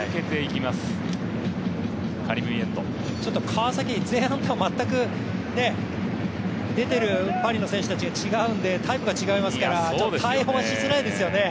川崎、前半とは全く、出てるパリの選手たちと違うんでタイプが違いますから対応しづらいですよね。